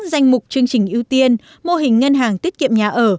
danh mục chương trình ưu tiên mô hình ngân hàng tiết kiệm nhà ở